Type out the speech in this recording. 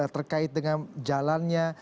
terkait dengan jalannya